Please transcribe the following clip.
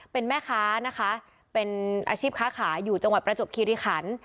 เป็นแม่ค้านะคะเป็นอาชีพค้าขายอยู่จังหวัดประจบคิริขัน